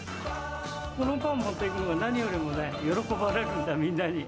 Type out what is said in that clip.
このパン持っていくのが何よりもね、喜ばれるんだ、みんなに。